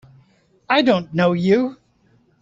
I don't know you!